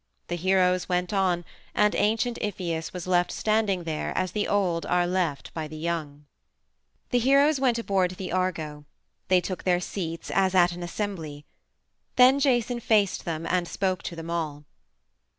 The heroes went on, and ancient Iphias was left standing there as the old are left by the young. The heroes went aboard the Argo. They took their seats as at an assembly. Then Jason faced them and spoke to them all.